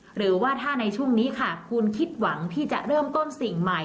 หรือว่าถ้าในช่วงนี้ค่ะคุณคิดหวังที่จะเริ่มต้นสิ่งใหม่